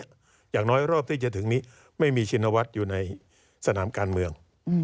อย่างน้อยรอบที่จะถึงนี้ไม่มีชินวัฒน์อยู่ในสนามการเมือง